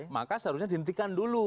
maka seharusnya dihentikan dulu